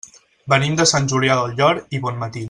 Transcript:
Venim de Sant Julià del Llor i Bonmatí.